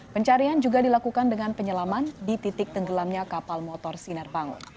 pencarian juga dilakukan dengan penyelaman di titik tenggelamnya kapal motor sinar bangun